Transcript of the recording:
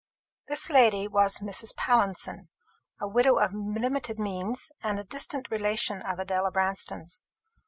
This lady was Mrs. Pallinson, a widow of limited means, and a distant relation of Adela Branston's.